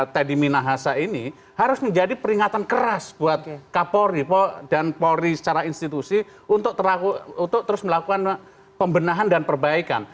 teddy minahasa ini harus menjadi peringatan keras buat kapolri dan polri secara institusi untuk terus melakukan pembenahan dan perbaikan